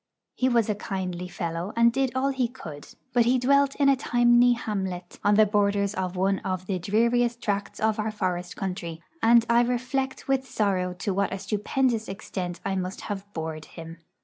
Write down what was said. He was a kindly fellow, and did all he could; but he dwelt in a tiny hamlet on the borders of one of the dreariest tracts of our forest country, and I reflect with sorrow to what a stupendous extent I must have bored him.